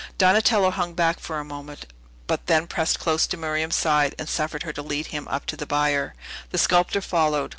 Donatello hung back for a moment, but then pressed close to Miriam's side, and suffered her to lead him up to the bier. The sculptor followed.